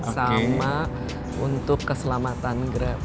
sama untuk keselamatan grab